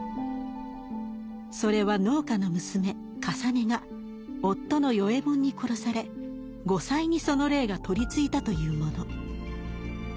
それは農家の娘累が夫の与右衛門に殺され後妻にその霊が取りついたというもの。